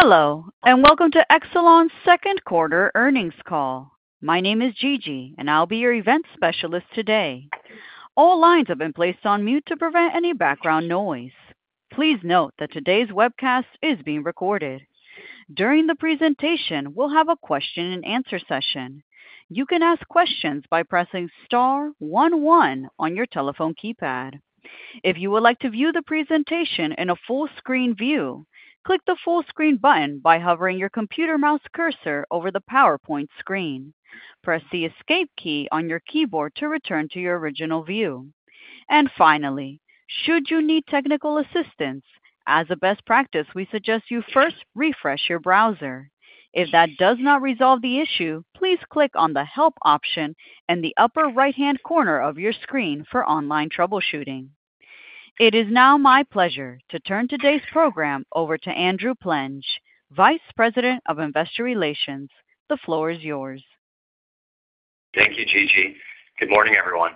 Hello, and welcome to Exelon's Q2 Earnings Call. My name is Gigi, and I'll be your event specialist today. All lines have been placed on mute to prevent any background noise. Please note that today's webcast is being recorded. During the presentation, we'll have a question-and-answer session. You can ask questions by pressing star one one on your telephone keypad. If you would like to view the presentation in a full-screen view, click the full screen button by hovering your computer mouse cursor over the PowerPoint screen. Press the escape key on your keyboard to return to your original view. Finally, should you need technical assistance, as a best practice, we suggest you first refresh your browser. If that does not resolve the issue, please click on the Help option in the upper right-hand corner of your screen for online troubleshooting. It is now my pleasure to turn today's program over to Andrew Plenge, Vice President of Investor Relations. The floor is yours. Thank you, Gigi. Good morning, everyone.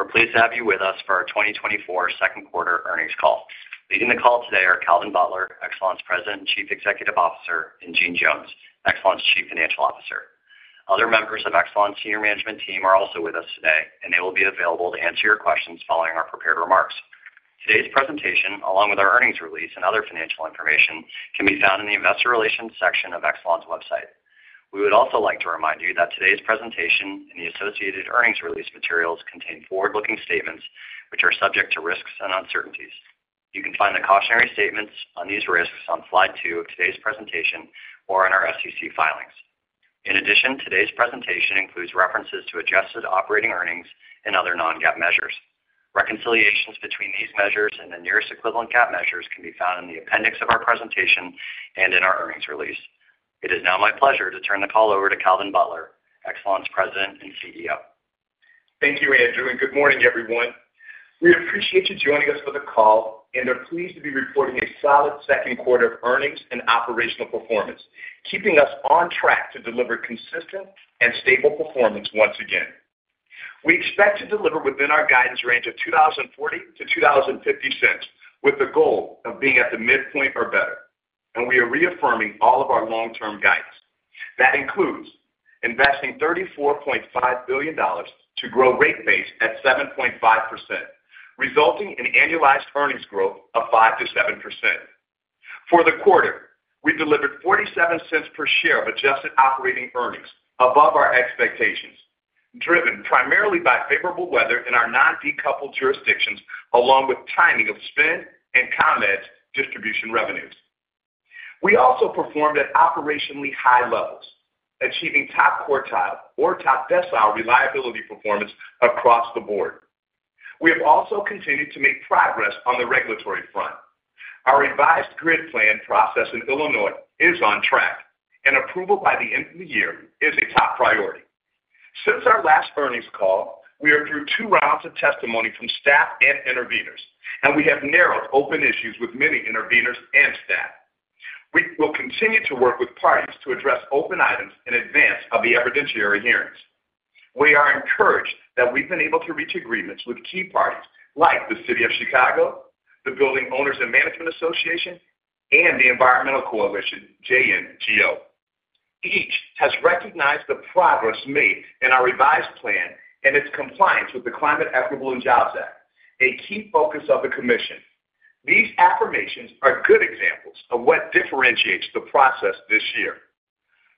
We're pleased to have you with us for our 2024 Q2 earnings call. Leading the call today are Calvin Butler, Exelon's President and Chief Executive Officer, and Jeanne Jones, Exelon's Chief Financial Officer. Other members of Exelon's senior management team are also with us today, and they will be available to answer your questions following our prepared remarks. Today's presentation, along with our earnings release and other financial information, can be found in the Investor Relations section of Exelon's website. We would also like to remind you that today's presentation and the associated earnings release materials contain forward-looking statements, which are subject to risks and uncertainties. You can find the cautionary statements on these risks on slide 2 of today's presentation or in our SEC filings. In addition, today's presentation includes references to adjusted operating earnings and other non-GAAP measures. Reconciliations between these measures and the nearest equivalent GAAP measures can be found in the appendix of our presentation and in our earnings release. It is now my pleasure to turn the call over to Calvin Butler, Exelon's President and CEO. Thank you, Andrew, and good morning, everyone. We appreciate you joining us for the call and are pleased to be reporting a solid Q2 of earnings and operational performance, keeping us on track to deliver consistent and stable performance once again. We expect to deliver within our guidance range of $2.40-$2.50, with the goal of being at the midpoint or better, and we are reaffirming all of our long-term guidance. That includes investing $34.5 billion to grow rate base at 7.5%, resulting in annualized earnings growth of 5%-7%. For the quarter, we delivered $0.47 per share of adjusted operating earnings above our expectations, driven primarily by favorable weather in our non-decoupled jurisdictions, along with timing of spend and ComEd's distribution revenues. We also performed at operationally high levels, achieving top quartile or top decile reliability performance across the board. We have also continued to make progress on the regulatory front. Our revised grid plan process in Illinois is on track, and approval by the end of the year is a top priority. Since our last earnings call, we are through two rounds of testimony from staff and interveners, and we have narrowed open issues with many interveners and staff. We will continue to work with parties to address open items in advance of the evidentiary hearings. We are encouraged that we've been able to reach agreements with key parties like the City of Chicago, the Building Owners and Management Association, and the Environmental Coalition, Joint NGOs. Each has recognized the progress made in our revised plan and its compliance with the Climate and Equitable Jobs Act, a key focus of the commission. These affirmations are good examples of what differentiates the process this year.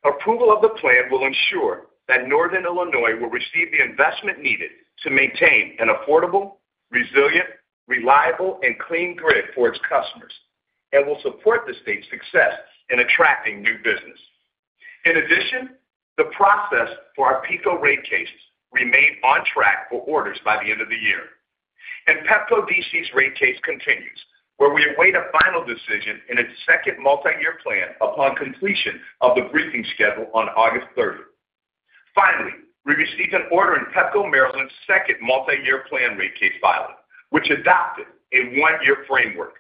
Approval of the plan will ensure that Northern Illinois will receive the investment needed to maintain an affordable, resilient, reliable, and clean grid for its customers and will support the state's success in attracting new business. In addition, the process for our PECO rate cases remain on track for orders by the end of the year, and Pepco DC's rate case continues, where we await a final decision in a second multi-year plan upon completion of the briefing schedule on August 30. Finally, we received an order in Pepco Maryland's second multi-year plan rate case filing, which adopted a one-year framework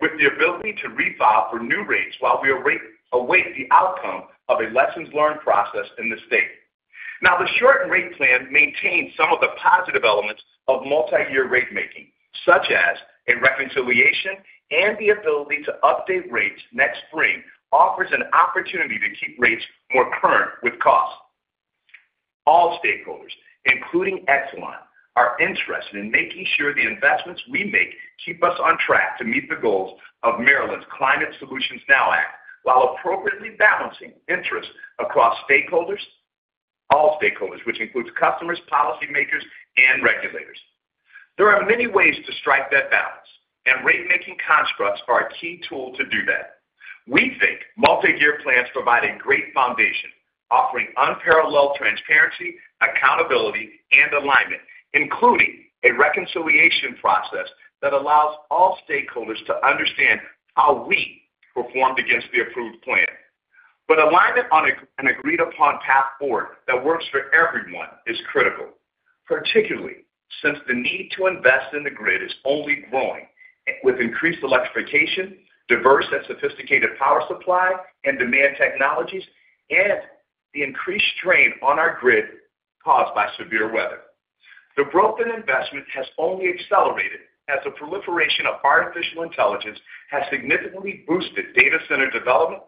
with the ability to refile for new rates while we await the outcome of a lessons-learned process in the state. Now, the shortened rate plan maintains some of the positive elements of multi-year rate making, such as a reconciliation and the ability to update rates next spring, offers an opportunity to keep rates more current with costs. All stakeholders, including Exelon, are interested in making sure the investments we make keep us on track to meet the goals of Maryland's Climate Solutions Now Act, while appropriately balancing interests across stakeholders, all stakeholders, which includes customers, policymakers, and regulators. There are many ways to strike that balance, and rate-making constructs are a key tool to do that. We think multi-year plans provide a great foundation, offering unparalleled transparency, accountability, and alignment, including a reconciliation process that allows all stakeholders to understand how we performed against the approved plan. But alignment on an agreed-upon path forward that works for everyone is critical, particularly since the need to invest in the grid is only growing, with increased electrification, diverse and sophisticated power supply and demand technologies, and the increased strain on our grid caused by severe weather. The broken investment has only accelerated as the proliferation of artificial intelligence has significantly boosted data center development,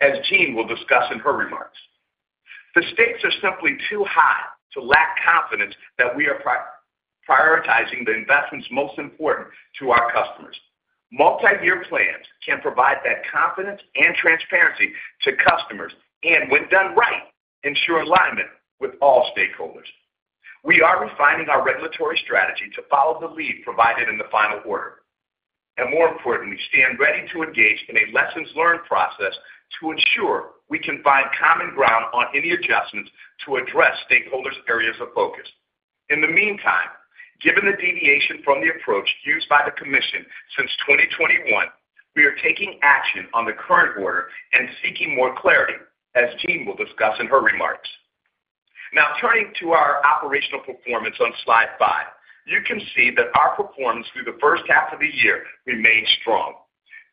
as Jeanne will discuss in her remarks. The stakes are simply too high to lack confidence that we are prioritizing the investments most important to our customers. Multi-year plans can provide that confidence and transparency to customers, and when done right, ensure alignment with all stakeholders. We are refining our regulatory strategy to follow the lead provided in the final order, and more importantly, stand ready to engage in a lessons learned process to ensure we can find common ground on any adjustments to address stakeholders' areas of focus. In the meantime, given the deviation from the approach used by the commission since 2021, we are taking action on the current order and seeking more clarity, as Jeanne will discuss in her remarks. Now, turning to our operational performance on slide 5, you can see that our performance through the H1 of the year remained strong.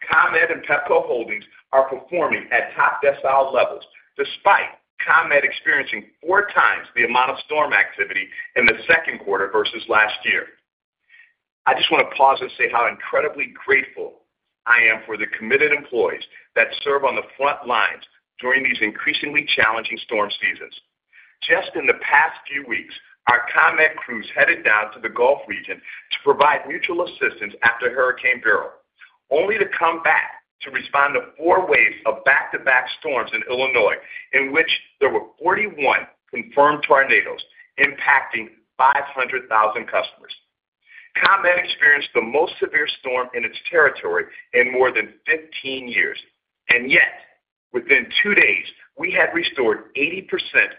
ComEd and Pepco Holdings are performing at top decile levels, despite ComEd experiencing 4x the amount of storm activity in the Q2 versus last year. I just want to pause and say how incredibly grateful I am for the committed employees that serve on the front lines during these increasingly challenging storm seasons. Just in the past few weeks, our ComEd crews headed down to the Gulf region to provide mutual assistance after Hurricane Beryl, only to come back to respond to 4 waves of back-to-back storms in Illinois, in which there were 41 confirmed tornadoes impacting 500,000 customers. ComEd experienced the most severe storm in its territory in more than 15 years, and yet, within 2 days, we had restored 80%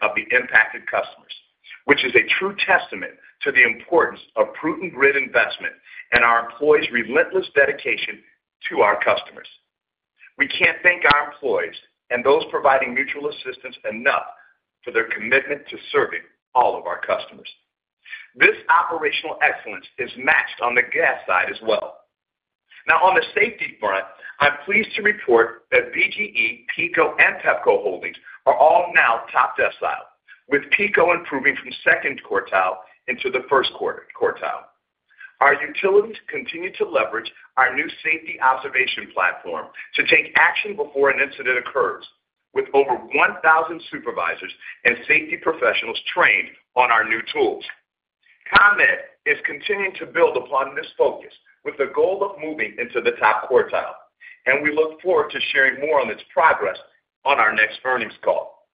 of the impacted customers, which is a true testament to the importance of prudent grid investment and our employees' relentless dedication to our customers. We can't thank our employees and those providing mutual assistance enough for their commitment to serving all of our customers. This operational excellence is matched on the gas side as well. Now, on the safety front, I'm pleased to report that BGE, PECO, and Pepco Holdings are all now top decile, with PECO improving from second quartile into the first quartile. Our utilities continue to leverage our new safety observation platform to take action before an incident occurs, with over 1,000 supervisors and safety professionals trained on our new tools. ComEd is continuing to build upon this focus with the goal of moving into the top quartile, and we look forward to sharing more on its progress on our next earnings call.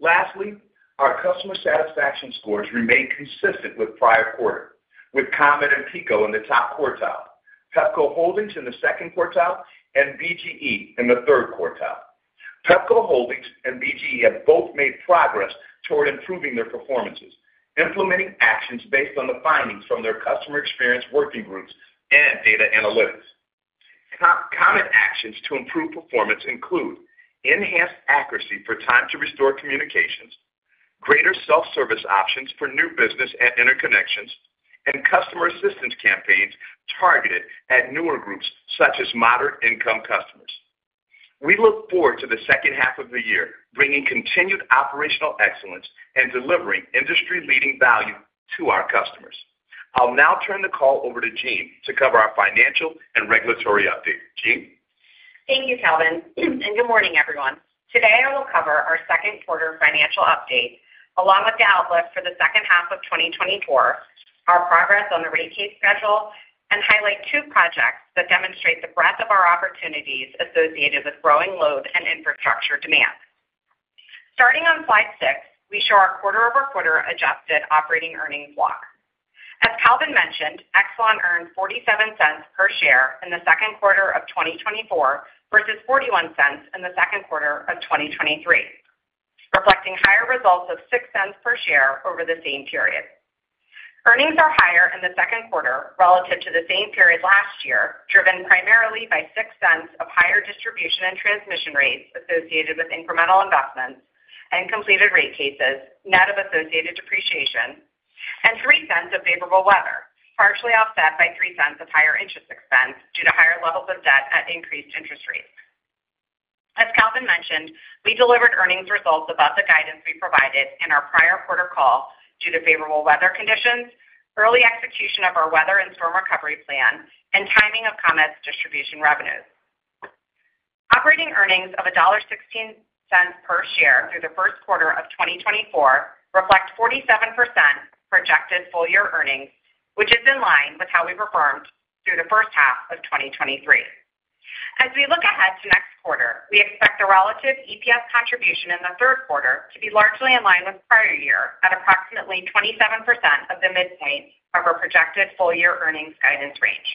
Lastly, our customer satisfaction scores remain consistent with prior quarter, with ComEd and PECO in the top quartile, Pepco Holdings in the second quartile, and BGE in the third quartile. Pepco Holdings and BGE have both made progress toward improving their performances, implementing actions based on the findings from their customer experience working groups and data analytics. ComEd actions to improve performance include enhanced accuracy for time to restore communications, greater self-service options for new business and interconnections, and customer assistance campaigns targeted at newer groups such as moderate-income customers. We look forward to the H2 of the year, bringing continued operational excellence and delivering industry-leading value to our customers. I'll now turn the call over to Jeanne to cover our financial and regulatory update. Jeanne? Thank you, Calvin, and good morning, everyone. Today, I will cover our Q2 financial update, along with the outlook for the H2 of 2024, our progress on the rate case schedule, and highlight two projects that demonstrate the breadth of our opportunities associated with growing load and infrastructure demand. Starting on slide 6, we show our quarter-over-quarter adjusted operating earnings walk. As Calvin mentioned, Exelon earned $0.47 per share in the Q2 of 2024 versus $0.41 in the Q2 of 2023, reflecting higher results of $0.06 per share over the same period. Earnings are higher in the Q2 relative to the same period last year, driven primarily by $0.06 of higher distribution and transmission rates associated with incremental investments and completed rate cases, net of associated depreciation, and $0.03 of favorable weather, partially offset by $0.03 of higher interest expense due to higher levels of debt at increased interest rates. As Calvin mentioned, we delivered earnings results above the guidance we provided in our prior quarter call due to favorable weather conditions, early execution of our weather and storm recovery plan, and timing of ComEd's distribution revenues. Operating earnings of $1.16 per share through the Q1 2024 reflect 47% projected full-year earnings, which is in line with how we performed through the H1 of 2023. As we look ahead to next quarter, we expect the relative EPS contribution in the Q3 to be largely in line with prior year at approximately 27% of the midpoint of our projected full-year earnings guidance range.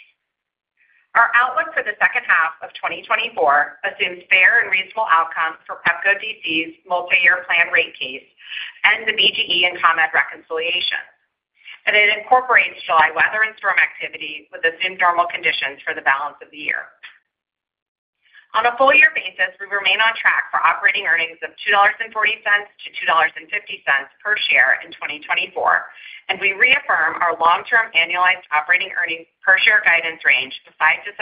Our outlook for the H2 of 2024 assumes fair and reasonable outcomes for Pepco DC's multiyear plan rate case and the BGE and ComEd reconciliations, and it incorporates July weather and storm activity with assumed normal conditions for the balance of the year. On a full year basis, we remain on track for operating earnings of $2.40-$2.50 per share in 2024, and we reaffirm our long-term annualized operating earnings per share guidance range of 5%-7%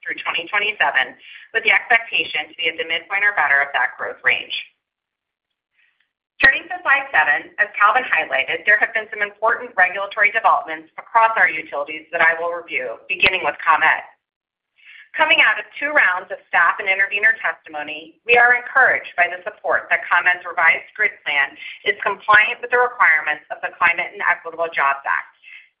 through 2027, with the expectation to be at the midpoint or better of that growth range. Turning to slide 7, as Calvin highlighted, there have been some important regulatory developments across our utilities that I will review, beginning with ComEd. Coming out of 2 rounds of staff and intervener testimony, we are encouraged by the support that ComEd's revised grid plan is compliant with the requirements of the Climate and Equitable Jobs Act,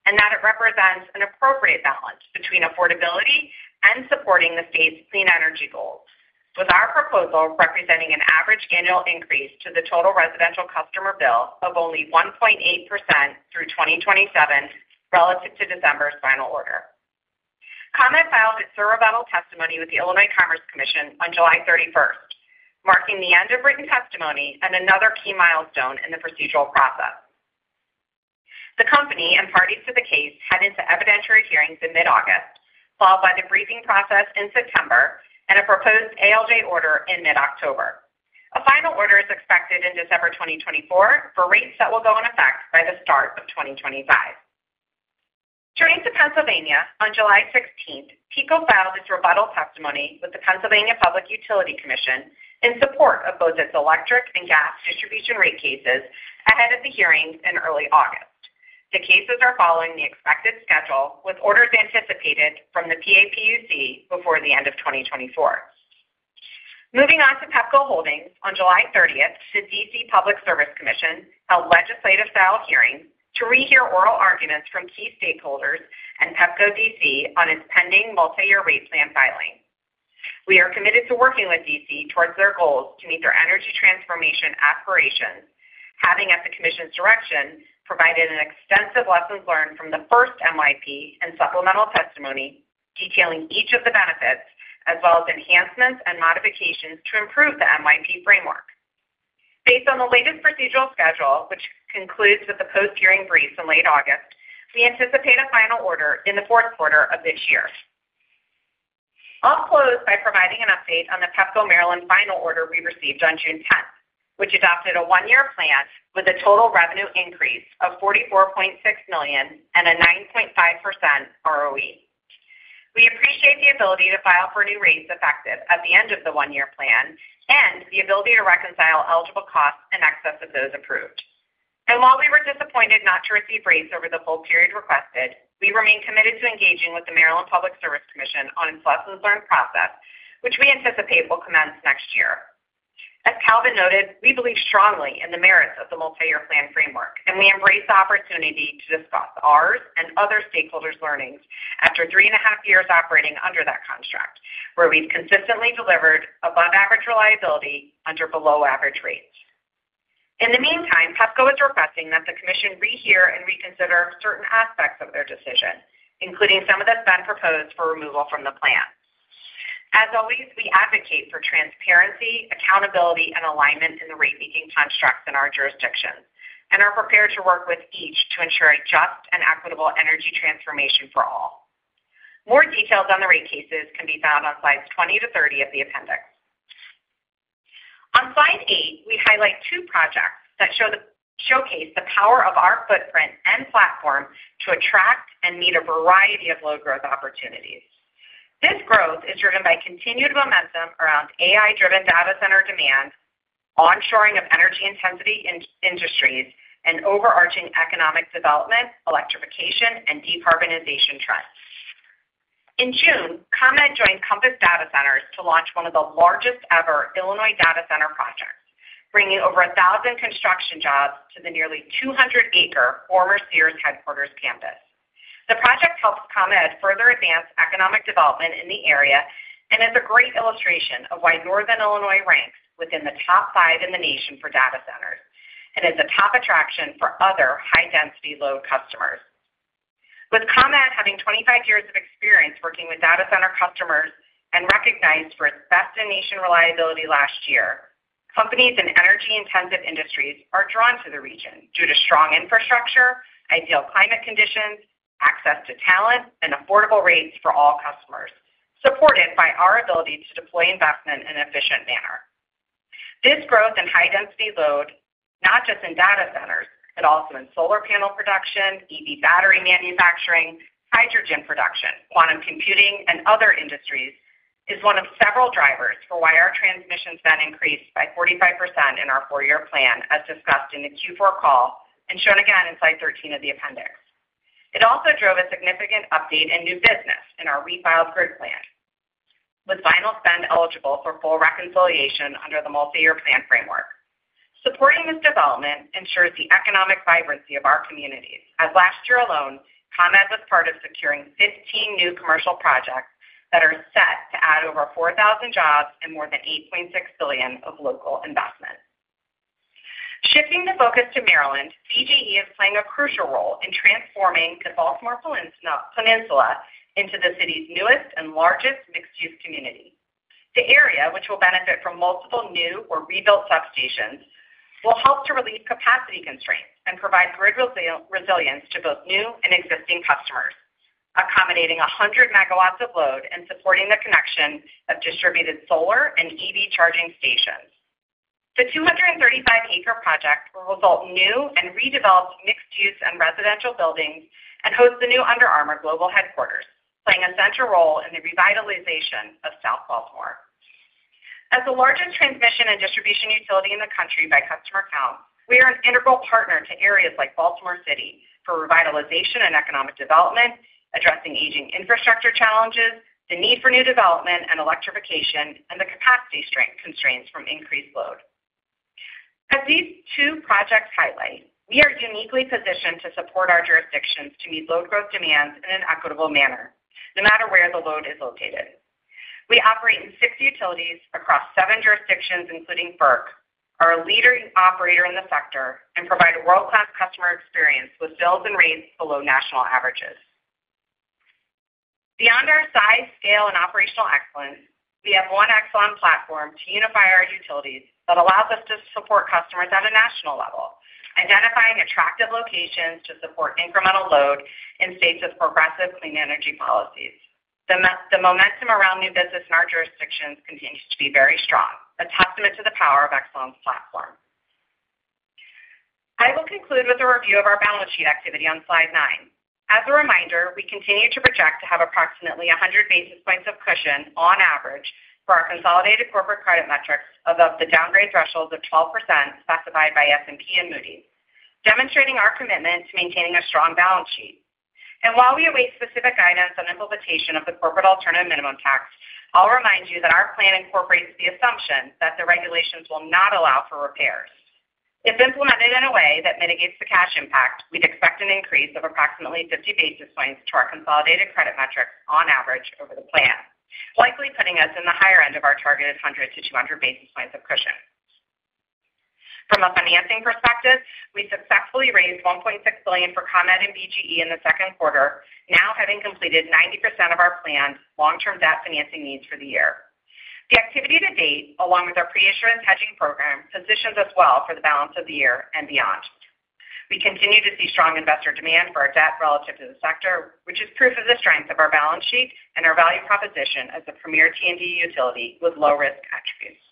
and that it represents an appropriate balance between affordability and supporting the state's clean energy goals, with our proposal representing an average annual increase to the total residential customer bill of only 1.8% through 2027 relative to December's final order. ComEd filed its rebuttal testimony with the Illinois Commerce Commission on 31 July, marking the end of written testimony and another key milestone in the procedural process. The company and parties to the case head into evidentiary hearings in mid-August, followed by the briefing process in September and a proposed ALJ Order in mid-October. A final order is expected in December 2024 for rates that will go in effect by the start of 2025. Turning to Pennsylvania, on 16 July, PECO filed its rebuttal testimony with the Pennsylvania Public Utility Commission in support of both its electric and gas distribution rate cases ahead of the hearings in early August. The cases are following the expected schedule, with orders anticipated from the PAPUC before the end of 2024. Moving on to Pepco Holdings, on 30 July, the DC Public Service Commission held legislative-style hearings to rehear oral arguments from key stakeholders and Pepco DC on its pending multi-year rate plan filing. We are committed to working with DC towards their goals to meet their energy transformation aspirations, having, at the Commission's direction, provided an extensive lessons learned from the first MYP and supplemental testimony detailing each of the benefits, as well as enhancements and modifications to improve the MYP framework. Based on the latest procedural schedule, which concludes with the post-hearing briefs in late August, we anticipate a final order in the Q4 of this year. I'll close by providing an update on the Pepco Maryland final order we received on June tenth, which adopted a one-year plan with a total revenue increase of $44.6 million and a 9.5% ROE. We appreciate the ability to file for new rates effective at the end of the one-year plan and the ability to reconcile eligible costs in excess of those approved. And while we were disappointed not to receive rates over the full period requested, we remain committed to engaging with the Maryland Public Service Commission on its lessons learned process, which we anticipate will commence next year. As Calvin noted, we believe strongly in the merits of the multi-year plan framework, and we embrace the opportunity to discuss ours and other stakeholders' learnings after three and a half years operating under that contract, where we've consistently delivered above-average reliability under below-average rates. In the meantime, Pepco is requesting that the commission rehear and reconsider certain aspects of their decision, including some of the spend proposed for removal from the plan. As always, we advocate for transparency, accountability, and alignment in the ratemaking constructs in our jurisdictions and are prepared to work with each to ensure a just and equitable energy transformation for all. More details on the rate cases can be found on slides 20 to 30 of the appendix. On slide 8, we highlight two projects that showcase the power of our footprint and platform to attract and meet a variety of load growth opportunities. This growth is driven by continued momentum around AI-driven data center demand, onshoring of energy-intensive in-industries, and overarching economic development, electrification, and decarbonization trends. In June, ComEd joined Compass Datacenters to launch one of the largest-ever Illinois data center projects, bringing over 1,000 construction jobs to the nearly 200-acre former Sears headquarters campus. The project helps ComEd further advance economic development in the area and is a great illustration of why Northern Illinois ranks within the top 5 in the nation for data centers and is a top attraction for other high-density load customers. With ComEd having 25 years of experience working with data center customers and recognized for its best-in-nation reliability last year, companies in energy-intensive industries are drawn to the region due to strong infrastructure, ideal climate conditions, access to talent, and affordable rates for all customers, supported by our ability to deploy investment in an efficient manner. This growth in high-density load, not just in data centers, but also in solar panel production, EV battery manufacturing, hydrogen production, quantum computing, and other industries, is one of several drivers for why our transmission spend increased by 45% in our four-year plan, as discussed in the Q4 call and shown again in slide 13 of the appendix. It also drove a significant update in new business in our refiled grid plan, with final spend eligible for full reconciliation under the multi-year plan framework. Supporting this development ensures the economic vibrancy of our communities, as last year alone, ComEd was part of securing 15 new commercial projects that are set to add over 4,000 jobs and more than $8.6 billion of local investment. Shifting the focus to Maryland, BGE is playing a crucial role in transforming the Baltimore Peninsula into the city's newest and largest mixed-use community. The area, which will benefit from multiple new or rebuilt substations, will help to relieve capacity constraints and provide grid resilience to both new and existing customers, accommodating 100 MW of load and supporting the connection of distributed solar and EV charging stations. The 235-acre project will result in new and redeveloped mixed-use and residential buildings and host the new Under Armour global headquarters, playing a central role in the revitalization of South Baltimore. As the largest transmission and distribution utility in the country by customer count, we are an integral partner to areas like Baltimore City for revitalization and economic development, addressing aging infrastructure challenges, the need for new development and electrification, and the capacity strength constraints from increased load. As these two projects highlight, we are uniquely positioned to support our jurisdictions to meet load growth demands in an equitable manner, no matter where the load is located. We operate in 60 utilities across seven jurisdictions, including FERC, are a leader and operator in the sector and provide a world-class customer experience with bills and rates below national averages. Beyond our size, scale, and operational excellence, we have one Exelon platform to unify our utilities that allows us to support customers at a national level, identifying attractive locations to support incremental load in states with progressive clean energy policies. The momentum around new business in our jurisdictions continues to be very strong, a testament to the power of Exelon's platform. I will conclude with a review of our balance sheet activity on slide nine. As a reminder, we continue to project to have approximately 100 basis points of cushion on average for our consolidated corporate credit metrics above the downgrade thresholds of 12% specified by S&P and Moody's, demonstrating our commitment to maintaining a strong balance sheet. And while we await specific guidance on implementation of the corporate alternative minimum tax, I'll remind you that our plan incorporates the assumption that the regulations will not allow for repairs. If implemented in a way that mitigates the cash impact, we'd expect an increase of approximately 50 basis points to our consolidated credit metrics on average over the plan, likely putting us in the higher end of our targeted 100-200 basis points of cushion. From a financing perspective, we successfully raised $1.6 billion for ComEd and BGE in the Q2, now having completed 90% of our planned long-term debt financing needs for the year. The activity to date, along with our pre-assurance hedging program, positions us well for the balance of the year and beyond. We continue to see strong investor demand for our debt relative to the sector, which is proof of the strength of our balance sheet and our value proposition as a premier T&D utility with low-risk attributes.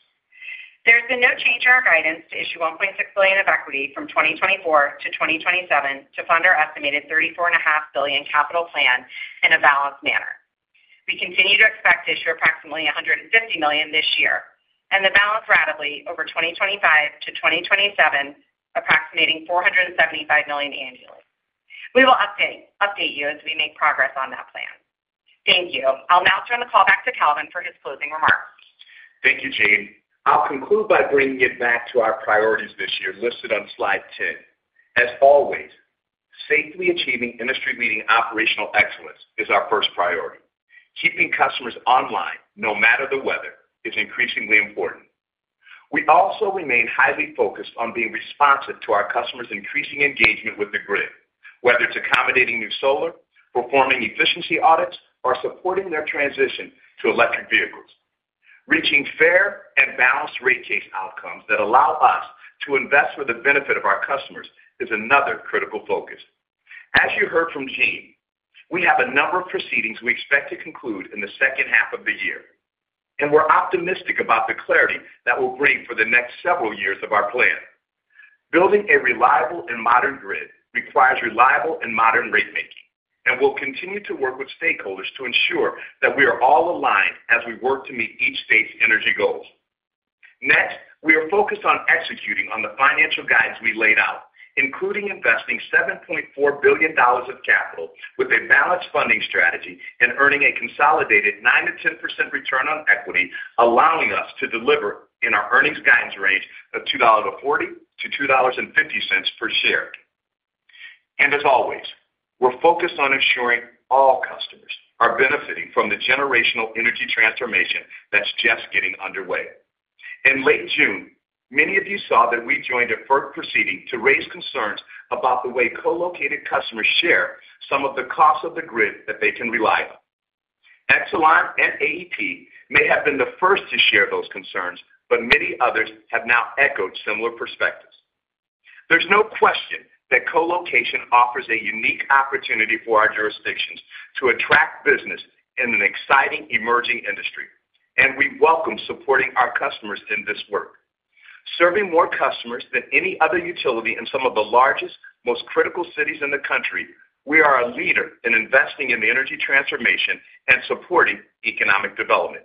There's been no change to our guidance to issue $1.6 billion of equity from 2024 to 2027 to fund our estimated $34.5 billion capital plan in a balanced manner. We continue to expect to issue approximately $150 million this year, and the balance gradually over 2025 to 2027, approximating $475 million annually. We will update you as we make progress on that plan. Thank you. I'll now turn the call back to Calvin for his closing remarks. Thank you, Jeanne. I'll conclude by bringing it back to our priorities this year, listed on slide 10. As always, safely achieving industry-leading operational excellence is our first priority. Keeping customers online, no matter the weather, is increasingly important. We also remain highly focused on being responsive to our customers' increasing engagement with the grid, whether it's accommodating new solar, performing efficiency audits, or supporting their transition to electric vehicles. Reaching fair and balanced rate case outcomes that allow us to invest for the benefit of our customers is another critical focus. As you heard from Jeanne, we have a number of proceedings we expect to conclude in the H2 of the year, and we're optimistic about the clarity that will bring for the next several years of our plan. Building a reliable and modern grid requires reliable and modern rate making, and we'll continue to work with stakeholders to ensure that we are all aligned as we work to meet each state's energy goals. Next, we are focused on executing on the financial guides we laid out, including investing $7.4 billion of capital with a balanced funding strategy and earning a consolidated 9%-10% return on equity, allowing us to deliver in our earnings guidance range of $2.40-$2.50 per share. As always, we're focused on ensuring all customers are benefiting from the generational energy transformation that's just getting underway. In late June, many of you saw that we joined a FERC proceeding to raise concerns about the way co-located customers share some of the costs of the grid that they can rely on. Exelon and AEP may have been the first to share those concerns, but many others have now echoed similar perspectives. There's no question that co-location offers a unique opportunity for our jurisdictions to attract business in an exciting, emerging industry, and we welcome supporting our customers in this work. Serving more customers than any other utility in some of the largest, most critical cities in the country, we are a leader in investing in the energy transformation and supporting economic development.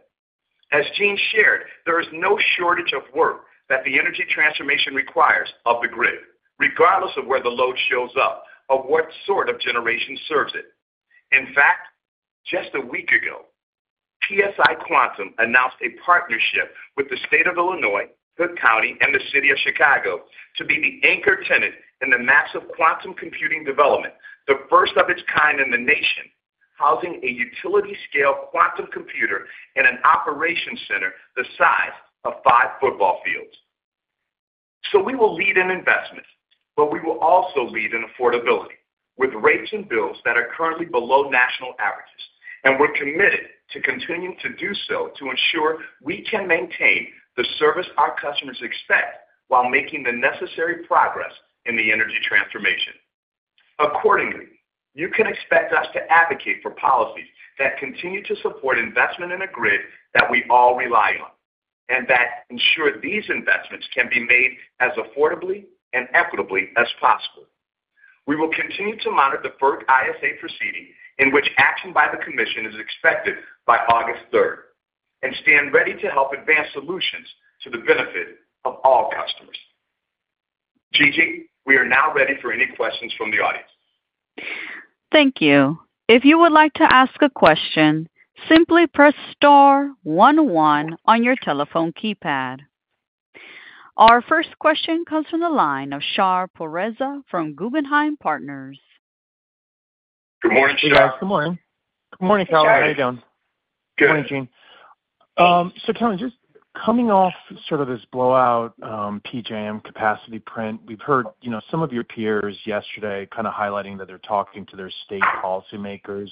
As Jeanne shared, there is no shortage of work that the energy transformation requires of the grid, regardless of where the load shows up or what sort of generation serves it. In fact, just a week ago, PsiQuantum announced a partnership with the state of Illinois, Cook County, and the City of Chicago to be the anchor tenant in the massive quantum computing development, the first of its kind in the nation, housing a utility-scale quantum computer in an operations center the size of five football fields. So we will lead in investment, but we will also lead in affordability, with rates and bills that are currently below national averages. And we're committed to continuing to do so to ensure we can maintain the service our customers expect while making the necessary progress in the energy transformation. Accordingly, you can expect us to advocate for policies that continue to support investment in a grid that we all rely on... and that ensure these investments can be made as affordably and equitably as possible. We will continue to monitor the FERC ISA proceeding, in which action by the commission is expected by August third, and stand ready to help advance solutions to the benefit of all customers. Gigi, we are now ready for any questions from the audience. Thank you. If you would like to ask a question, simply press star one one on your telephone keypad. Our first question comes from the line of Shar Pourreza from Guggenheim Partners. Good morning, Shar. Good morning. Good morning, Calvin. How are you doing? Good. Good morning, Jeanne. So Calvin, just coming off sort of this blowout PJM capacity print, we've heard, you know, some of your peers yesterday kind of highlighting that they're talking to their state policymakers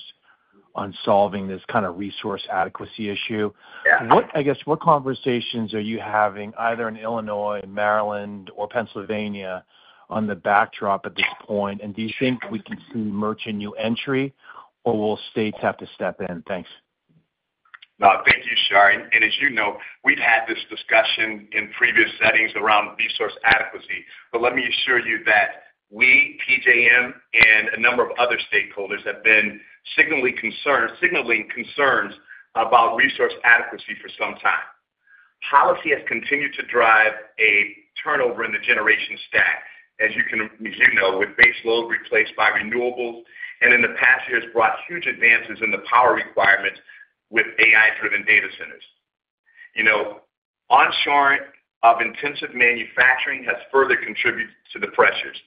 on solving this kind of resource adequacy issue. Yeah. What, I guess, what conversations are you having, either in Illinois, Maryland, or Pennsylvania, on the backdrop at this point? Do you think we can see merchant new entry, or will states have to step in? Thanks. Thank you, Shar. And, as you know, we've had this discussion in previous settings around resource adequacy, but let me assure you that we, PJM, and a number of other stakeholders have been signaling concerns about resource adequacy for some time. Policy has continued to drive a turnover in the generation stack, as you know, with base load replaced by renewables, and in the past years brought huge advances in the power requirements with AI-driven data centers. You know, onshoring of intensive manufacturing has further contributed to the pressures.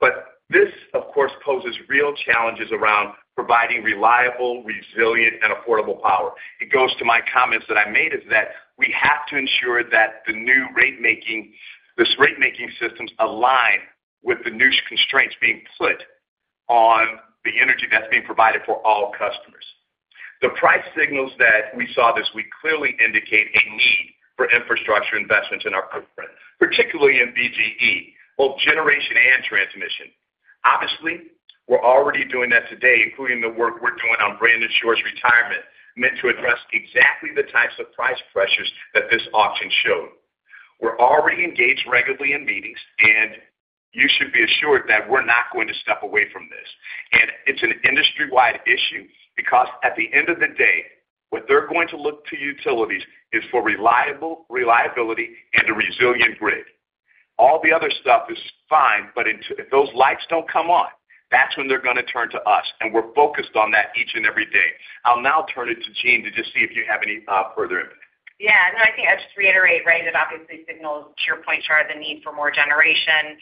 But this, of course, poses real challenges around providing reliable, resilient, and affordable power. It goes to my comments that I made, is that we have to ensure that the new rate making, this rate making systems align with the new constraints being put on the energy that's being provided for all customers. The price signals that we saw this week clearly indicate a need for infrastructure investments in our footprint, particularly in BGE, both generation and transmission. Obviously, we're already doing that today, including the work we're doing on Brandon Shores retirement, meant to address exactly the types of price pressures that this auction showed. We're already engaged regularly in meetings, and you should be assured that we're not going to step away from this. And it's an industry-wide issue because at the end of the day, what they're going to look to utilities is for reliable reliability and a resilient grid. All the other stuff is fine, but if those lights don't come on, that's when they're going to turn to us, and we're focused on that each and every day. I'll now turn it to Jeanne to just see if you have any further input. Yeah, no, I think I'd just reiterate, right, it obviously signals to your point, Shar, the need for more generation.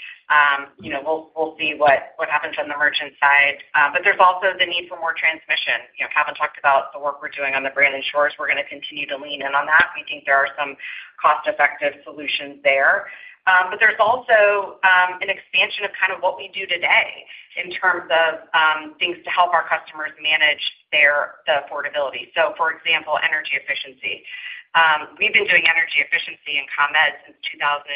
You know, we'll see what happens on the merchant side. But there's also the need for more transmission. You know, Calvin talked about the work we're doing on the Brandon Shores. We're going to continue to lean in on that. We think there are some cost-effective solutions there. But there's also an expansion of kind of what we do today in terms of things to help our customers manage their, the affordability. So for example, energy efficiency. We've been doing energy efficiency in ComEd since 2008,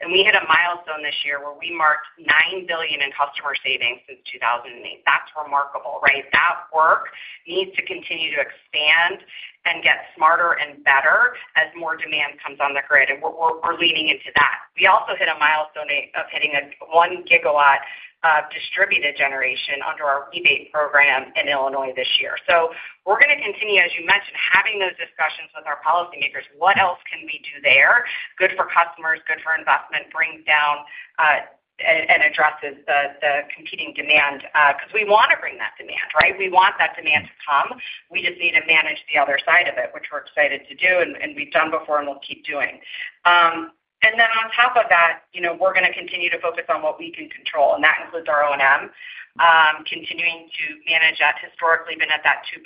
and we hit a milestone this year where we marked $9 billion in customer savings since 2008. That's remarkable, right? That work needs to continue to expand and get smarter and better as more demand comes on the grid, and we're leaning into that. We also hit a milestone date of hitting 1 gigawatt of distributed generation under our rebate program in Illinois this year. So we're going to continue, as you mentioned, having those discussions with our policymakers. What else can we do there? Good for customers, good for investment, brings down and addresses the competing demand because we want to bring that demand, right? We want that demand to come. We just need to manage the other side of it, which we're excited to do and we've done before, and we'll keep doing. And then on top of that, you know, we're going to continue to focus on what we can control, and that includes our O&M. Continuing to manage that historically been at that 2%,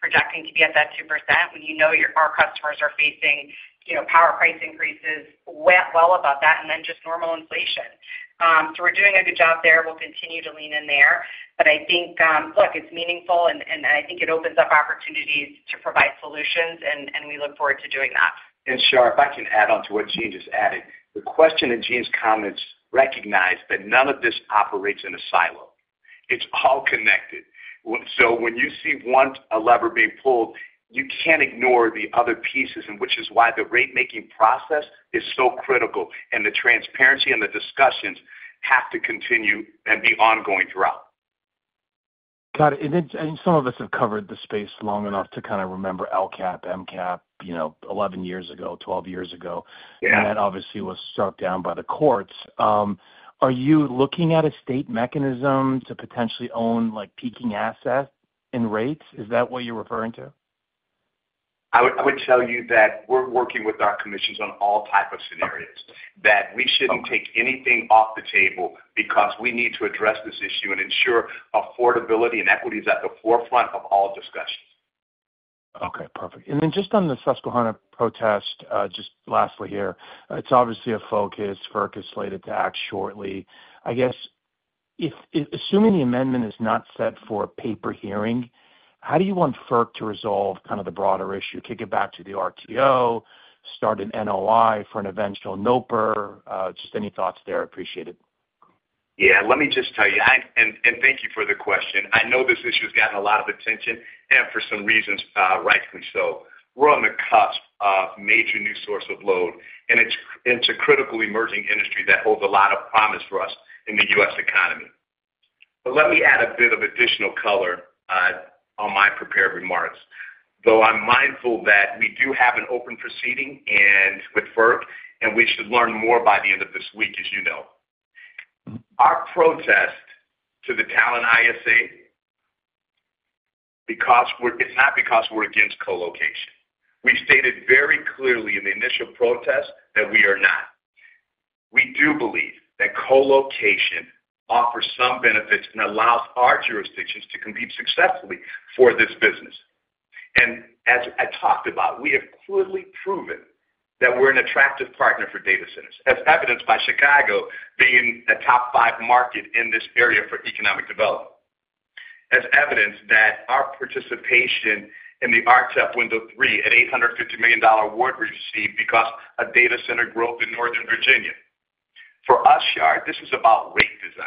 projecting to be at that 2%, when you know our customers are facing, you know, power price increases well above that and then just normal inflation. So we're doing a good job there. We'll continue to lean in there. But I think, look, it's meaningful and, and I think it opens up opportunities to provide solutions, and, and we look forward to doing that. Shar, if I can add on to what Jean just added, the question in Jean's comments recognize that none of this operates in a silo. It's all connected. So when you see one, a lever being pulled, you can't ignore the other pieces, and which is why the rate-making process is so critical, and the transparency and the discussions have to continue and be ongoing throughout. Got it. And then, some of us have covered the space long enough to kind of remember LCAPP, MCAP, you know, 11 years ago, 12 years ago- Yeah. -and that obviously was struck down by the courts. Are you looking at a state mechanism to potentially own, like, peaking assets in rates? Is that what you're referring to? I would tell you that we're working with our commissions on all type of scenarios, that we shouldn't take anything off the table because we need to address this issue and ensure affordability and equity is at the forefront of all discussions. Okay, perfect. And then just on the Susquehanna Protest, just lastly here, it's obviously a focus. FERC is slated to act shortly. I guess, if, if assuming the amendment is not set for a paper hearing, how do you want FERC to resolve kind of the broader issue? Kick it back to the RTO, start an NOI for an eventual NOPR? Just any thoughts there, appreciate it.... Yeah, let me just tell you, and thank you for the question. I know this issue has gotten a lot of attention, and for some reasons, rightfully so. We're on the cusp of major new source of load, and it's a critical emerging industry that holds a lot of promise for us in the U.S. economy. But let me add a bit of additional color on my prepared remarks, though I'm mindful that we do have an open proceeding with FERC, and we should learn more by the end of this week, as you know. Our protest to the Talen ISA, it's not because we're against colocation. We've stated very clearly in the initial protest that we are not. We do believe that colocation offers some benefits and allows our jurisdictions to compete successfully for this business. As I talked about, we have clearly proven that we're an attractive partner for data centers, as evidenced by Chicago being a top five market in this area for economic development. As evidenced by our participation in the RTEP Window three, at $850 million award we received because of data center growth in Northern Virginia. For us, Shar, this is about rate design.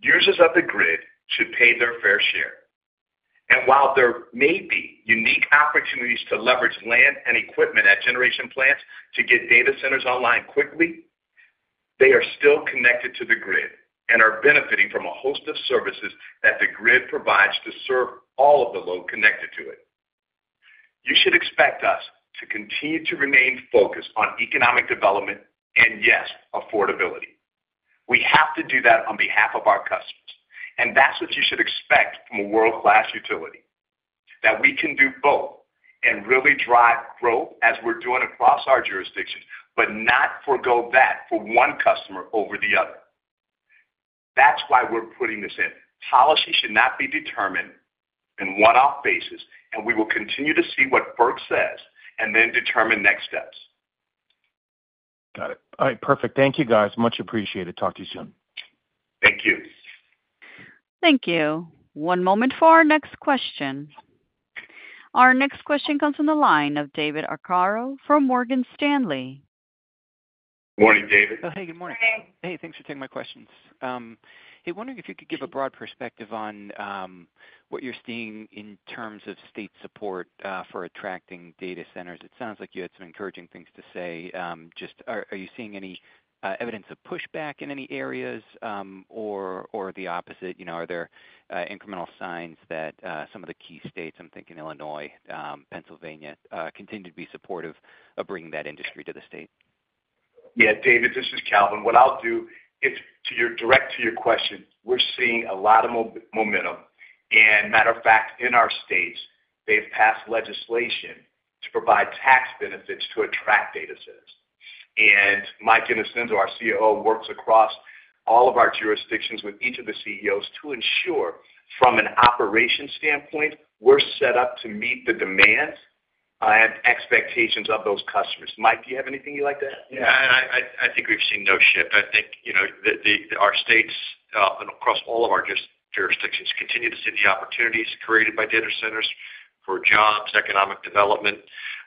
Users of the grid should pay their fair share. And while there may be unique opportunities to leverage land and equipment at generation plants to get data centers online quickly, they are still connected to the grid and are benefiting from a host of services that the grid provides to serve all of the load connected to it. You should expect us to continue to remain focused on economic development and, yes, affordability. We have to do that on behalf of our customers, and that's what you should expect from a world-class utility, that we can do both and really drive growth as we're doing across our jurisdictions, but not forgo that for one customer over the other. That's why we're putting this in. Policy should not be determined on a one-off basis, and we will continue to see what FERC says and then determine next steps. Got it. All right, perfect. Thank you, guys. Much appreciated. Talk to you soon. Thank you. Thank you. One moment for our next question. Our next question comes from the line of David Arcaro from Morgan Stanley. Morning, David. Oh, hey, good morning. Hey, thanks for taking my questions. Hey, wondering if you could give a broad perspective on what you're seeing in terms of state support for attracting data centers. It sounds like you had some encouraging things to say. Just are you seeing any evidence of pushback in any areas, or the opposite? You know, are there incremental signs that some of the key states, I'm thinking Illinois, Pennsylvania, continue to be supportive of bringing that industry to the state? Yeah, David, this is Calvin. What I'll do, it's to directly answer your question, we're seeing a lot of momentum, and matter of fact, in our states, they've passed legislation to provide tax benefits to attract data centers. And Mike Innocenzo, our COO, works across all of our jurisdictions with each of the CEOs to ensure, from an operation standpoint, we're set up to meet the demands and expectations of those customers. Mike, do you have anything you'd like to add? Yeah, I think we've seen no shift. I think, you know, our states and across all of our jurisdictions continue to see the opportunities created by data centers for jobs, economic development,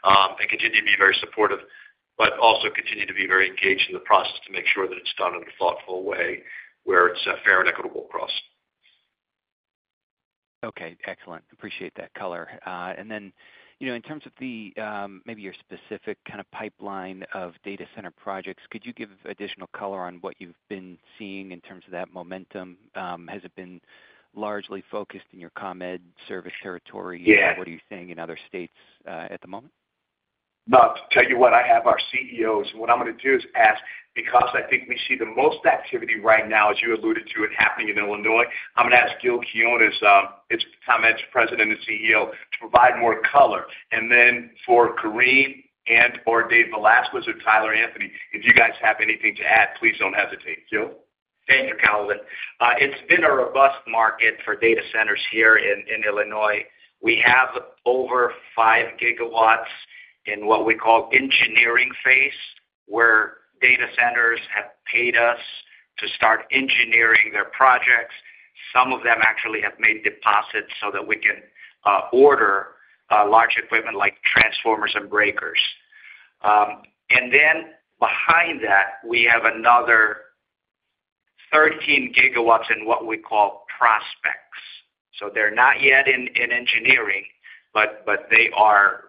and continue to be very supportive, but also continue to be very engaged in the process to make sure that it's done in a thoughtful way where it's fair and equitable across. Okay, excellent. Appreciate that color. And then, you know, in terms of the, maybe your specific kind of pipeline of data center projects, could you give additional color on what you've been seeing in terms of that momentum? Has it been largely focused in your ComEd service territory? Yeah. What are you seeing in other states, at the moment? Well, to tell you what, I have our CEOs. What I'm gonna do is ask, because I think we see the most activity right now, as you alluded to, it happening in Illinois. I'm gonna ask Gil Quiniones, as, as ComEd's President and CEO, to provide more color. And then for Carim and/or Dave Velazquez or Tyler Anthony, if you guys have anything to add, please don't hesitate. Gil? Thank you, Calvin. It's been a robust market for data centers here in Illinois. We have over five gigawatts in what we call engineering phase, where data centers have paid us to start engineering their projects. Some of them actually have made deposits so that we can order large equipment like transformers and breakers. And then behind that, we have another 13 gigawatts in what we call prospects. So they're not yet in engineering, but they are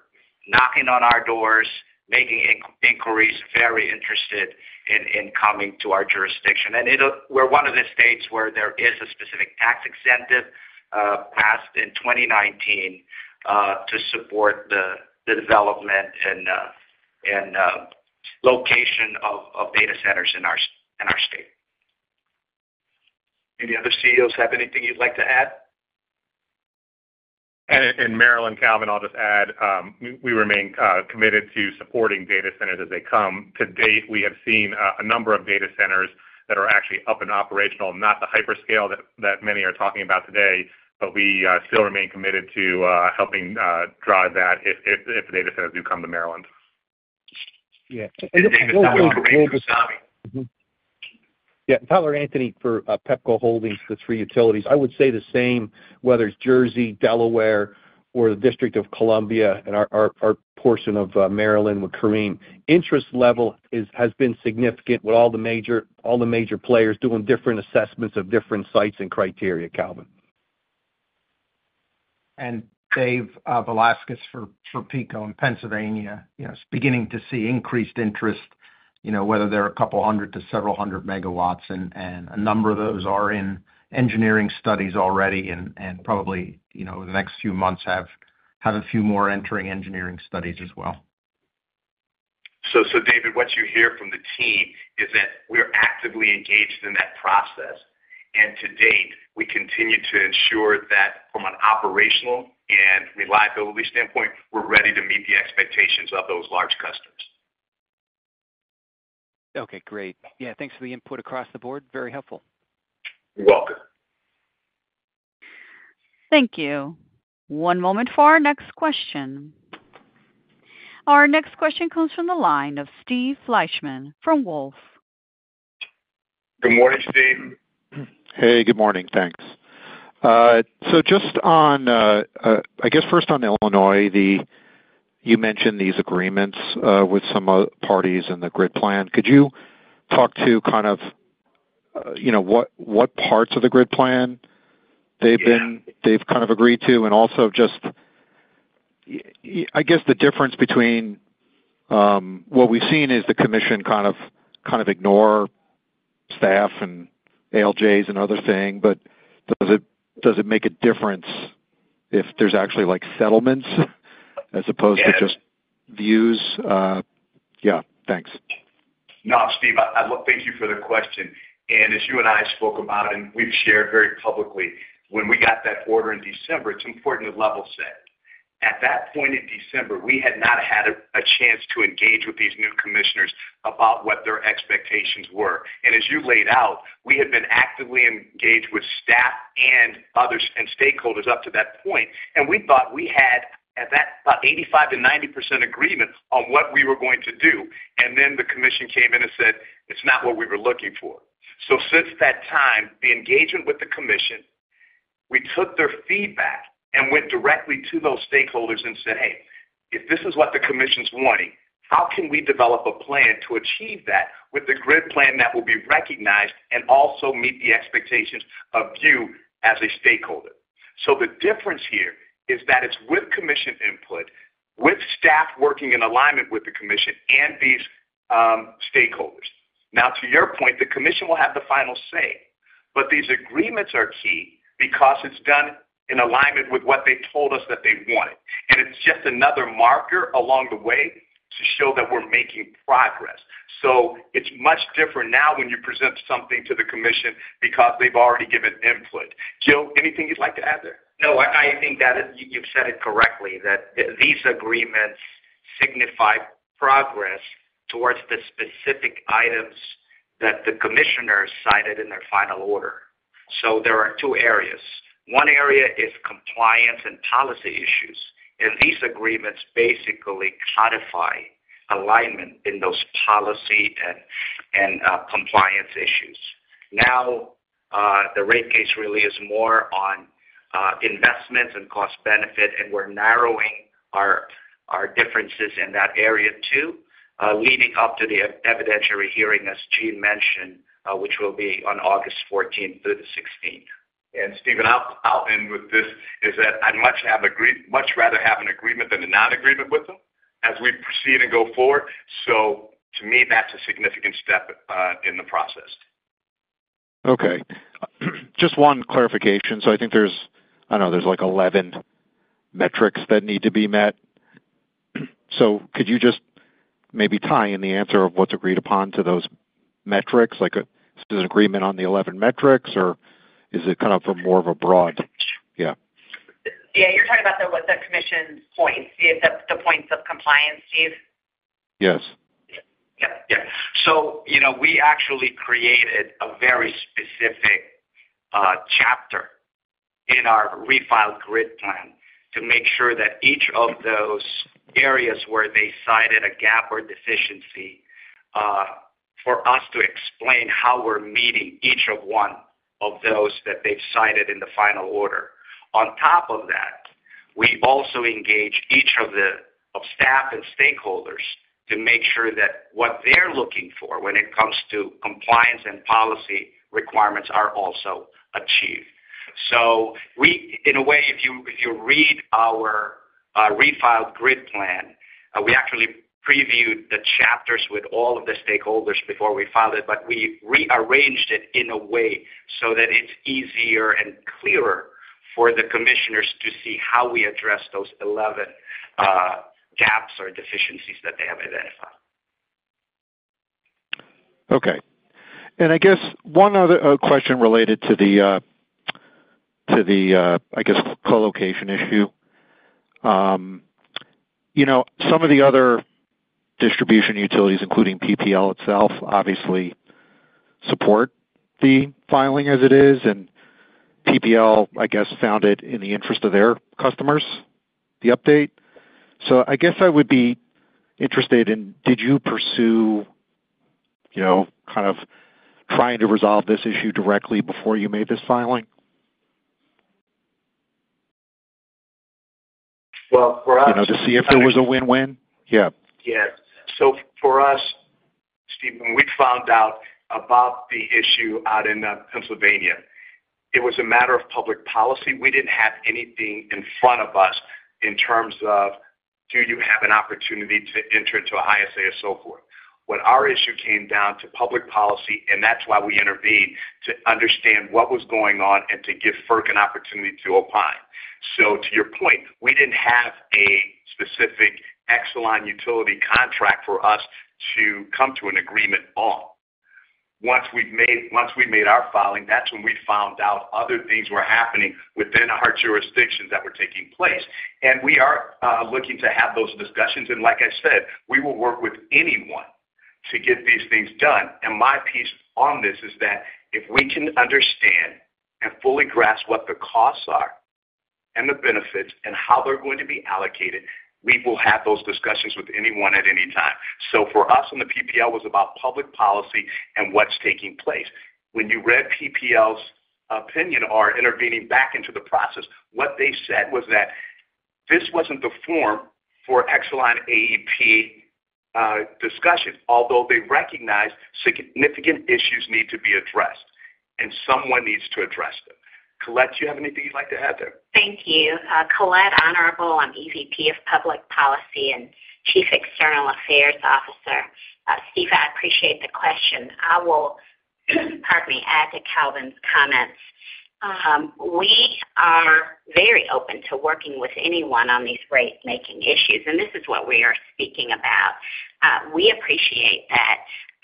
knocking on our doors, making inquiries, very interested in coming to our jurisdiction. And we're one of the states where there is a specific tax incentive passed in 2019 to support the development and location of data centers in our state. Any other CEOs have anything you'd like to add? And Maryland, Calvin, I'll just add, we remain committed to supporting data centers as they come. To date, we have seen a number of data centers that are actually up and operational, not the hyperscale that many are talking about today, but we still remain committed to helping drive that if the data centers do come to Maryland. Yeah. Yeah, Tyler Anthony for Pepco Holdings, the three utilities. I would say the same, whether it's Jersey, Delaware, or the District of Columbia, and our portion of Maryland with Kareem. Interest level has been significant with all the major players doing different assessments of different sites and criteria, Calvin.... And Dave Velazquez for PECO in Pennsylvania. Yes, beginning to see increased interest, you know, whether they're a couple of hundred to several hundred MW, and a number of those are in engineering studies already, and probably, you know, in the next few months have a few more entering engineering studies as well. So, David, what you hear from the team is that we're actively engaged in that process. And to date, we continue to ensure that from an operational and reliability standpoint, we're ready to meet the expectations of those large customers. Okay, great. Yeah, thanks for the input across the board. Very helpful. You're welcome. Thank you. One moment for our next question. Our next question comes from the line of Steve Fleishman from Wolfe Research. Good morning, Steve. Hey, good morning. Thanks. So just on, I guess first on Illinois, you mentioned these agreements with some parties in the grid plan. Could you talk to kind of, you know, what, what parts of the grid plan they've been- Yeah. They've kind of agreed to? And also just, I guess the difference between what we've seen is the commission kind of, kind of ignore staff and ALJs and other things, but does it, does it make a difference if there's actually, like, settlements as opposed to just- Yes... views? Yeah. Thanks. No, Steve, I, I thank you for the question. And as you and I spoke about, and we've shared very publicly, when we got that order in December, it's important to level set. At that point in December, we had not had a, a chance to engage with these new commissioners about what their expectations were. And as you laid out, we had been actively engaged with staff and others and stakeholders up to that point, and we thought we had, at that, about 85%-90% agreement on what we were going to do, and then the commission came in and said, "It's not what we were looking for." So since that time, the engagement with the commission, we took their feedback and went directly to those stakeholders and said, "Hey, if this is what the commission's wanting, how can we develop a plan to achieve that with the grid plan that will be recognized and also meet the expectations of you as a stakeholder?" So the difference here is that it's with commission input, with staff working in alignment with the commission and these stakeholders. Now, to your point, the commission will have the final say. But these agreements are key because it's done in alignment with what they told us that they wanted, and it's just another marker along the way to show that we're making progress. So it's much different now when you present something to the commission because they've already given input. Gil, anything you'd like to add there? No, I think that you, you've said it correctly, that these agreements signify progress towards the specific items that the commissioners cited in their final order. So there are two areas. One area is compliance and policy issues, and these agreements basically codify alignment in those policy and, and compliance issues. Now, the rate case really is more on investments and cost benefit, and we're narrowing our, our differences in that area, too, leading up to the evidentiary hearing, as Jeanne mentioned, which will be on 14-16 August. And Steve, I'll end with this, is that I'd much rather have an agreement than a non-agreement with them as we proceed and go forward. So to me, that's a significant step in the process. Okay. Just one clarification. So I think there's, I know there's like 11 metrics that need to be met. So could you just maybe tie in the answer of what's agreed upon to those metrics? Like, is there an agreement on the 11 metrics, or is it kind of for more of a broad... Yeah. Yeah, you're talking about the, what? The commission's points, the points of compliance, Steve? Yes. Yep, yep. So, you know, we actually created a very specific chapter in our refiled grid plan to make sure that each of those areas where they cited a gap or deficiency for us to explain how we're meeting each of one of those that they've cited in the final order. On top of that, we also engage each of the staff and stakeholders to make sure that what they're looking for when it comes to compliance and policy requirements are also achieved. So we, in a way, if you read our refiled grid plan, we actually previewed the chapters with all of the stakeholders before we filed it, but we rearranged it in a way so that it's easier and clearer for the commissioners to see how we address those 11 gaps or deficiencies that they have identified. Okay. And I guess one other question related to the to the I guess colocation issue. You know, some of the other distribution utilities, including PPL itself, obviously support the filing as it is, and PPL, I guess, found it in the interest of their customers, the update. So I guess I would be interested in, did you pursue, you know, kind of trying to resolve this issue directly before you made this filing?... Well, for us- You know, to see if there was a win-win? Yeah. Yeah. So for us, Steve, when we found out about the issue out in Pennsylvania, it was a matter of public policy. We didn't have anything in front of us in terms of, do you have an opportunity to enter into a ISA or so forth? What our issue came down to public policy, and that's why we intervened to understand what was going on and to give FERC an opportunity to opine. So to your point, we didn't have a specific Exelon utility contract for us to come to an agreement on. Once we've made, once we made our filing, that's when we found out other things were happening within our jurisdictions that were taking place. And we are looking to have those discussions, and like I said, we will work with anyone to get these things done. And my piece on this is that if we can understand and fully grasp what the costs are and the benefits and how they're going to be allocated, we will have those discussions with anyone at any time. So for us, on the PPL, was about public policy and what's taking place. When you read PPL's opinion or intervening back into the process, what they said was that this wasn't the forum for Exelon AEP discussion, although they recognize significant issues need to be addressed and someone needs to address them. Colette, do you have anything you'd like to add there? Thank you. Colette Honorable. I'm EVP of Public Policy and Chief External Affairs Officer. Steve, I appreciate the question. I will, pardon me, add to Calvin's comments. We are very open to working with anyone on these rate-making issues, and this is what we are speaking about. We appreciate that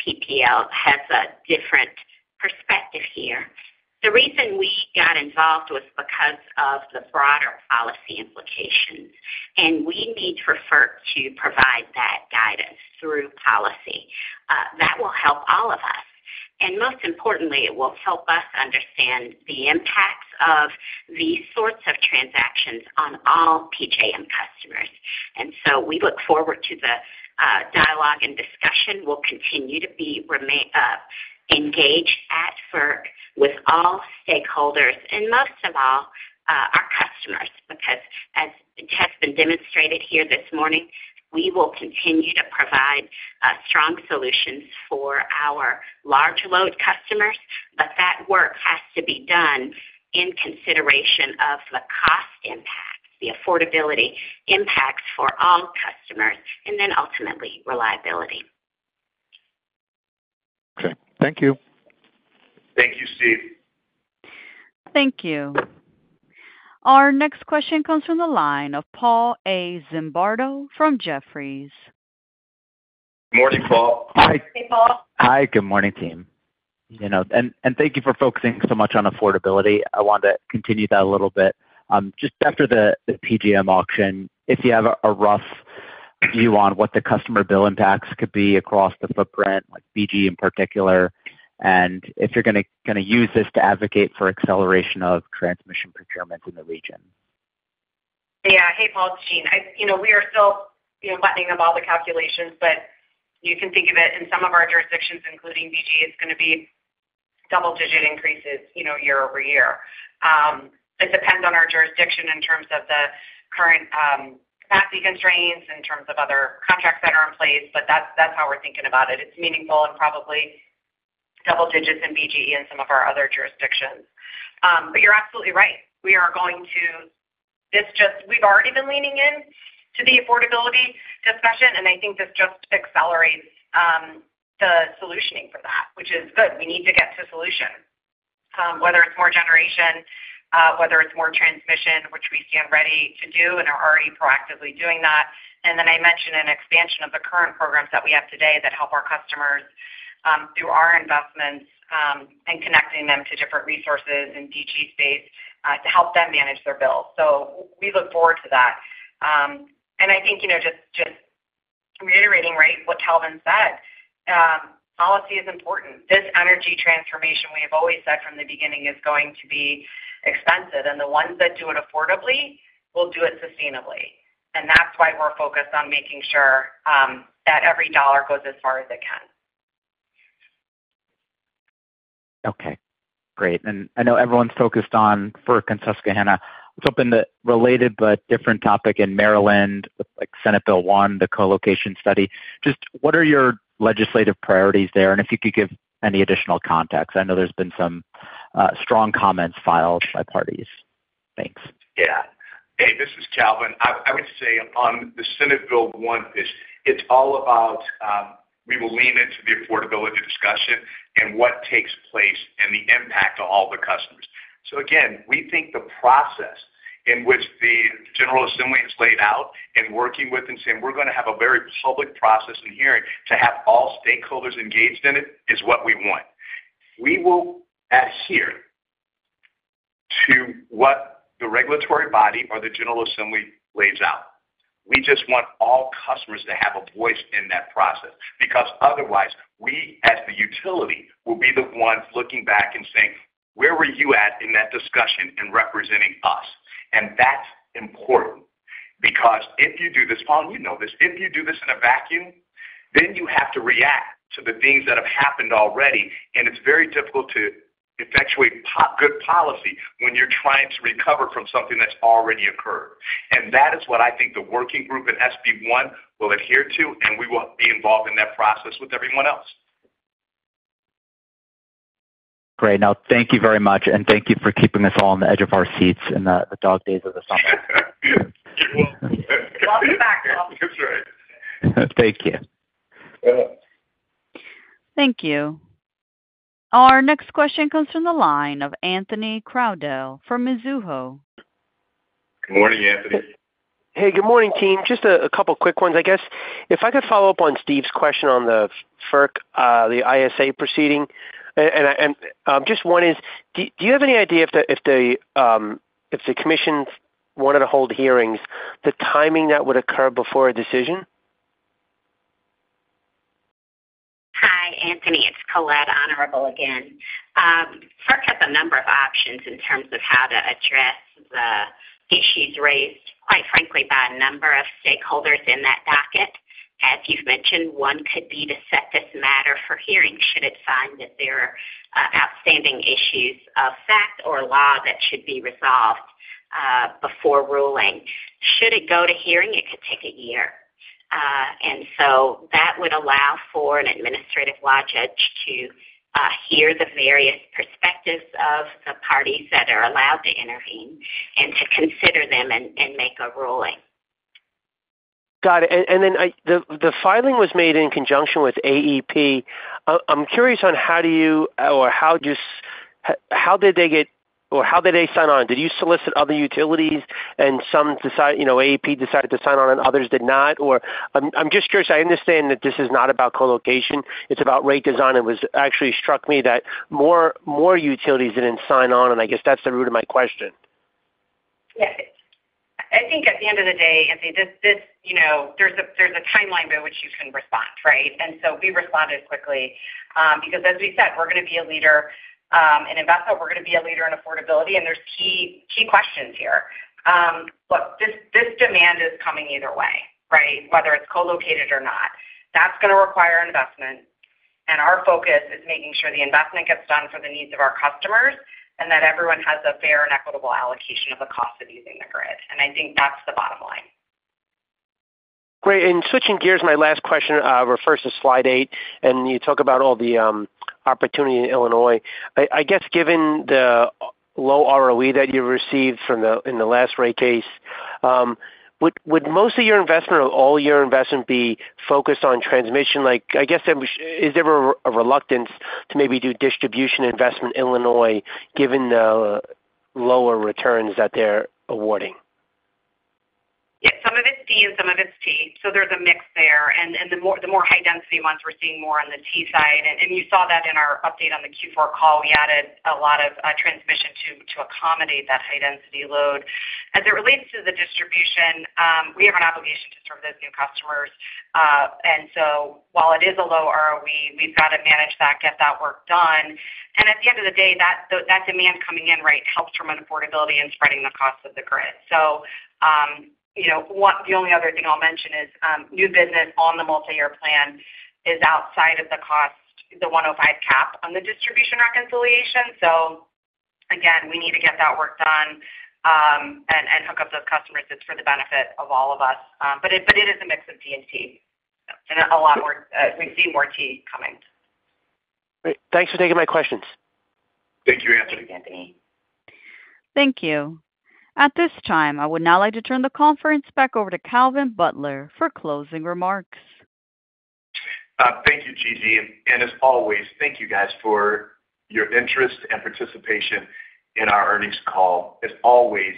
PPL has a different perspective here. The reason we got involved was because of the broader policy implications, and we need to refer to provide that guidance through policy. That will help all of us, and most importantly, it will help us understand the impacts of these sorts of transactions on all PJM customers. And so we look forward to the dialogue and discussion. We will continue to remain engaged at FERC with all stakeholders and most of all our customers, because as it has been demonstrated here this morning, we will continue to provide strong solutions for our large load customers, but that work has to be done in consideration of the cost impacts, the affordability impacts for all customers, and then ultimately, reliability. Okay. Thank you. Thank you, Steve. Thank you. Our next question comes from the line of Paul A. Zimbardo from Jefferies. Morning, Paul. Hi. Hey, Paul. Hi, good morning, team. You know, and thank you for focusing so much on affordability. I want to continue that a little bit. Just after the PJM auction, if you have a rough view on what the customer bill impacts could be across the footprint, like BGE in particular, and if you're gonna use this to advocate for acceleration of transmission procurement in the region. Yeah. Hey, Paul, it's Jeanne. You know, we are still, you know, buttoning up all the calculations, but you can think of it in some of our jurisdictions, including BGE, it's gonna be double-digit increases, you know, year-over-year. It depends on our jurisdiction in terms of the current capacity constraints, in terms of other contracts that are in place, but that's, that's how we're thinking about it. It's meaningful and probably double digits in BGE and some of our other jurisdictions. But you're absolutely right. We are going to... We've already been leaning in to the affordability discussion, and I think this just accelerates the solutioning for that, which is good. We need to get to solution, whether it's more generation, whether it's more transmission, which we stand ready to do and are already proactively doing that. And then I mentioned an expansion of the current programs that we have today that help our customers, through our investments, and connecting them to different resources in DG space, to help them manage their bills. So we look forward to that. And I think, you know, just reiterating, right, what Calvin said, policy is important. This energy transformation, we have always said from the beginning, is going to be expensive, and the ones that do it affordably will do it sustainably. And that's why we're focused on making sure, that every dollar goes as far as it can. Okay, great. And I know everyone's focused on FERC and Susquehanna. Something that related but different topic in Maryland, like Senate Bill 1, the colocation study. Just what are your legislative priorities there? And if you could give any additional context. I know there's been some strong comments filed by parties. Thanks. Yeah. Hey, this is Calvin. I would say on the Senate Bill 1 issue, it's all about we will lean into the affordability discussion and what takes place and the impact on all the customers. So again, we think the process in which the General Assembly has laid out in working with and saying, we're gonna have a very public process in hearing to have all stakeholders engaged in it, is what we want. We will adhere to what the regulatory body or the General Assembly lays out. We just want all customers to have a voice in that process, because otherwise, we, as the utility, will be the ones looking back and saying: Where were you at in that discussion and representing us? And that's important, because if you do this, Paul, you know this, if you do this in a vacuum... Then you have to react to the things that have happened already, and it's very difficult to effectuate good policy when you're trying to recover from something that's already occurred. And that is what I think the working group in SB 1 will adhere to, and we will be involved in that process with everyone else. Great. Now, thank you very much, and thank you for keeping us all on the edge of our seats in the dog days of the summer. Yeah. We'll be back. That's right. Thank you. Yeah. Thank you. Our next question comes from the line of Anthony Crowdell from Mizuho. Good morning, Anthony. Hey, good morning, team. Just a couple quick ones. I guess, if I could follow up on Steve's question on the FERC, the ISA proceeding. And I just one is, do you have any idea if the commission wanted to hold hearings, the timing that would occur before a decision? Hi, Anthony. It's Colette Honorable again. FERC has a number of options in terms of how to address the issues raised, quite frankly, by a number of stakeholders in that docket. As you've mentioned, one could be to set this matter for hearing, should it find that there are outstanding issues of fact or law that should be resolved before ruling. Should it go to hearing, it could take a year. And so that would allow for an administrative law judge to hear the various perspectives of the parties that are allowed to intervene and to consider them and, and make a ruling. Got it. And then the filing was made in conjunction with AEP. I'm curious on how did they get or how did they sign on? Did you solicit other utilities and some decide, you know, AEP decided to sign on and others did not, or... I'm just curious. I understand that this is not about colocation, it's about rate design. It actually struck me that more utilities didn't sign on, and I guess that's the root of my question. Yes. I think at the end of the day, Anthony, this, you know, there's a timeline by which you can respond, right? And so we responded quickly, because as we said, we're going to be a leader in investment, we're going to be a leader in affordability, and there's key questions here. Look, this demand is coming either way, right? Whether it's collocated or not. That's going to require investment, and our focus is making sure the investment gets done for the needs of our customers, and that everyone has a fair and equitable allocation of the cost of using the grid. And I think that's the bottom line. Great. And switching gears, my last question refers to slide 8, and you talk about all the opportunity in Illinois. I guess given the low ROE that you received in the last rate case, would most of your investment or all your investment be focused on transmission? Like, I guess, is there a reluctance to maybe do distribution investment in Illinois, given the lower returns that they're awarding? Yeah, some of it's D and some of it's T, so there's a mix there. And the more high density ones, we're seeing more on the T side. And you saw that in our update on the Q4 call. We added a lot of transmission to accommodate that high density load. As it relates to the distribution, we have an obligation to serve those new customers. And so while it is a low ROE, we've got to manage that, get that work done. And at the end of the day, that demand coming in, right, helps from unaffordability and spreading the cost of the grid. So, you know, the only other thing I'll mention is new business on the multi-year plan is outside of the cost, the $105 cap on the distribution reconciliation. So again, we need to get that work done, and hook up those customers. It's for the benefit of all of us. But it is a mix of D and T. And a lot more, we see more T coming. Great. Thanks for taking my questions. Thank you, Anthony. Thank you, Anthony. Thank you. At this time, I would now like to turn the conference back over to Calvin Butler for closing remarks. Thank you, Gigi, and as always, thank you guys for your interest and participation in our earnings call. As always,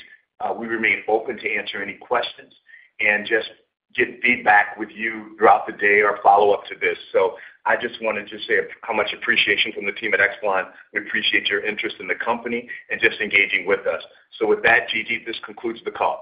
we remain open to answer any questions and just get feedback with you throughout the day or follow up to this. So I just wanted to say how much appreciation from the team at Exelon. We appreciate your interest in the company and just engaging with us. So with that, Gigi, this concludes the call.